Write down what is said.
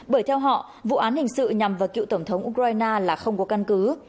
bởi theo họ vụ án hình sự nhằm vào cựu tổng thống ukraine là không có căn cứ